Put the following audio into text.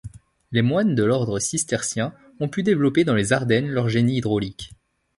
Les moines de l'ordre cistercien ont pu développer dans les Ardennes, leur génie hydraulique.